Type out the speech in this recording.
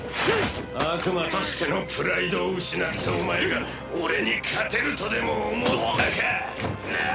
悪魔としてのプライドを失ったお前が俺に勝てるとでも思ったか？